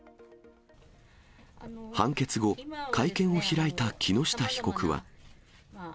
判決後、会見を開いた木下被告は。